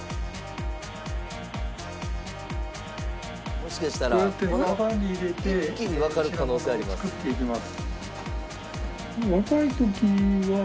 もしかしたら一気にわかる可能性あります。